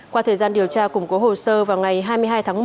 qua thời gian điều tra củng cố hồ sơ vào ngày hai mươi hai tháng một